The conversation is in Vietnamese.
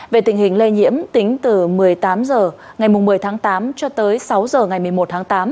về tình hình lây nhiễm tính từ một mươi tám h ngày một mươi tháng tám cho tới sáu h ngày một mươi một tháng tám